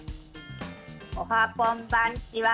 おはこんばんちわ。